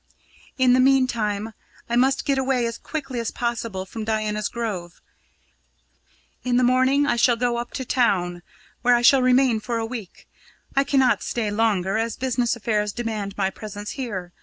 In the meantime, I must get away as quickly as possible from Diana's Grove. In the morning I shall go up to town, where I shall remain for a week I cannot stay longer, as business affairs demand my presence here.